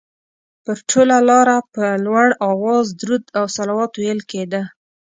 پر ټوله لاره په لوړ اواز درود او صلوات ویل کېده.